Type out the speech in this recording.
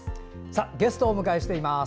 ゲストをお迎えしています。